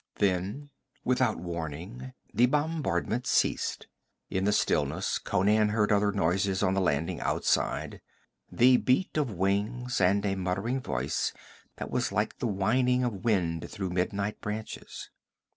Then without warning the bombardment ceased. In the stillness Conan heard other noises on the landing outside the beat of wings, and a muttering voice that was like the whining of wind through midnight branches.